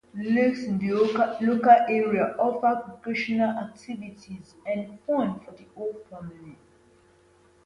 Lakes in the local area offer recreational activities and fun for the whole family.